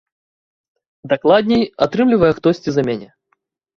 Дакладней, атрымлівае хтосьці за мяне.